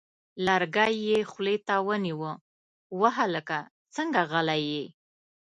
لرګی یې خولې ته ونیوه: وه هلکه څنګه غلی یې!؟